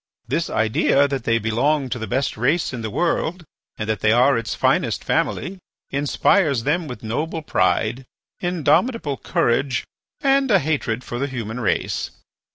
"This idea that they belong to the best race in the world, and that they are its finest family, inspires them with noble pride, indomitable courage, and a hatred for the human race.